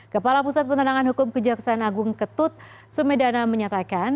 kepala pusat penerangan hukum kejaksaan agung ketut sumedana menyatakan